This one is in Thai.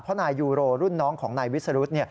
เพราะนายยูโรรุ่นน้องของนายวิสรุธ